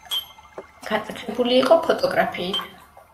გატაცებული იყო ფოტოგრაფიით.